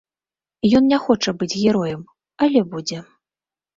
Ён не хоча быць героем, але будзе.